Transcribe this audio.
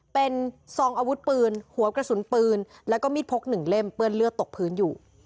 เป็นซองอาวุธปืนหัวกระสุนปืนแล้วก็มีดพกหนึ่งเล่มเปื้อนเลือดตกพื้นอยู่